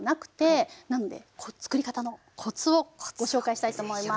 なのでつくりかたのコツをご紹介したいと思います。